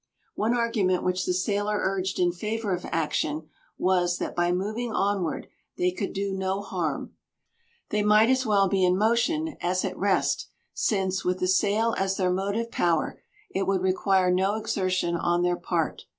One argument which the sailor urged in favour of action was, that by moving onward they could do no harm. They might as well be in motion as at rest, since, with the sail as their motive power, it would require no exertion on their part.